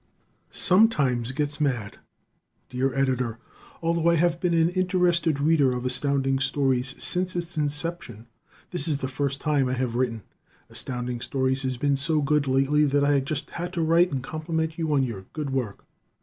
Sometimes Gets Mad Dear Editor: Although I have been an interested reader of Astounding Stories since its inception, this is the first time I have written. Astounding Stories have been so good lately that I just had to write and compliment you on your good work.